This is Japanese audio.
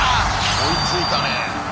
追いついたね。